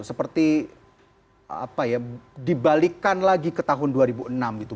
seperti apa ya dibalikan lagi ke tahun dua ribu enam gitu